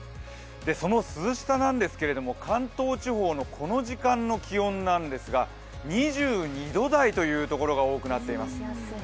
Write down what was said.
その涼しさなんですけれども、関東地方のこの時間の気温なんですが２２度台というところが多くなっています。